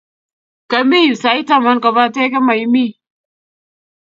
Kamii yu sait tamat kopate kemaimi.